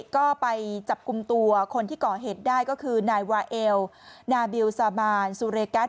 ก็ไปจับกลุ่มตัวคนที่ก่อเหตุได้ก็คือนายวาเอลนาบิลซามานซูเรกัส